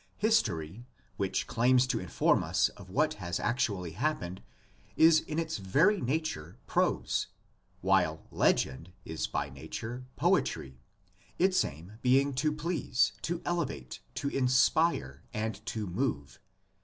History, which claims to inform us of what has actually happened, is in its very nature prose, while legend is by nature poetry, its aim being to please, to elevate, to inspire and to move.